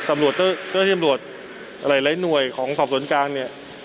ตำรวจเจ้าที่ตำรวจหลายหน่วยของสอบสวนกลางเนี่ย